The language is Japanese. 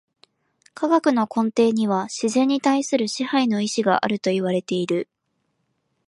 科学の根底には自然に対する支配の意志があるといわれている。